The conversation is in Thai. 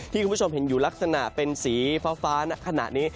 คุณผู้ชมเห็นอยู่ลักษณะเป็นสีฟ้าณขณะนี้